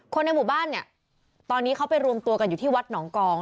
ในหมู่บ้านเนี่ยตอนนี้เขาไปรวมตัวกันอยู่ที่วัดหนองกอง